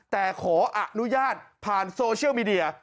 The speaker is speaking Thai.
แต่ขออนุญาตผ่านโซเชียลมีเดีย